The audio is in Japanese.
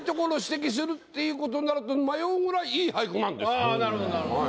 それはああなるほどなるほど。